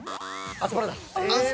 アスパラ。